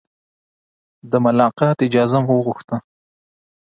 د ملاقات اجازه مو وغوښته.